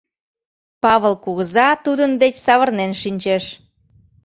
Павыл кугыза тудын деч савырнен шинчеш.